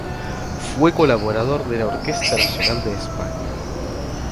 Fue colaborador de la Orquesta Nacional de España.